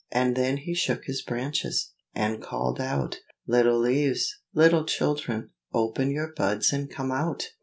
And then he shook his branches, and called out, "Little leaves, little children, open your buds and come out!